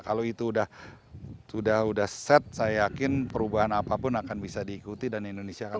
kalau itu sudah set saya yakin perubahan apapun akan bisa diikuti dan indonesia akan